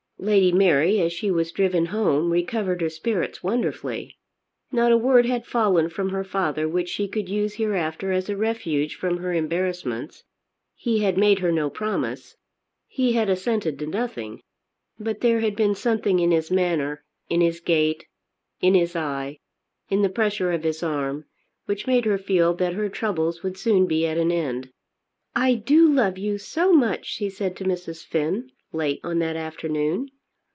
Lady Mary, as she was driven home, recovered her spirits wonderfully. Not a word had fallen from her father which she could use hereafter as a refuge from her embarrassments. He had made her no promise. He had assented to nothing. But there had been something in his manner, in his gait, in his eye, in the pressure of his arm, which made her feel that her troubles would soon be at an end. "I do love you so much," she said to Mrs. Finn late on that afternoon.